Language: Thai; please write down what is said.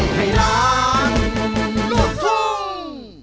คุณจ้อร้อง